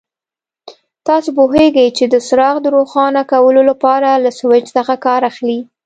تاسو پوهېږئ چې د څراغ د روښانه کولو لپاره له سویچ څخه کار اخلي.